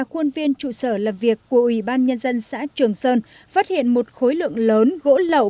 khuôn viên trụ sở làm việc của ủy ban nhân dân xã trường sơn phát hiện một khối lượng lớn gỗ lậu